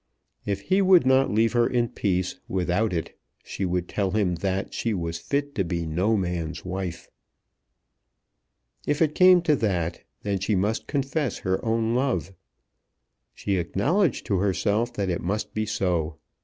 If he would not leave her in peace without it she would tell him that she was fit to be no man's wife. If it came to that, then she must confess her own love. She acknowledged to herself that it must be so.